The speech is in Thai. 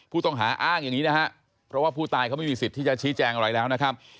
ผู้ต้องหาอ้างอย่างนี้นะฮะเพราะว่าผู้ตายเขาไม่มีสิทธิ์ที่จะชี้แจงอะไรแล้วนะครับ